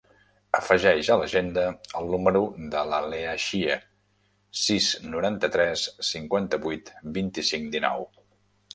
Afegeix a l'agenda el número de la Leah Xie: sis, noranta-tres, cinquanta-vuit, vint-i-cinc, dinou.